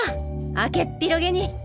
開けっ広げに。